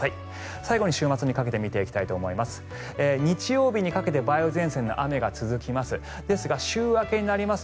最後に週末にかけて見ていきたいと思います。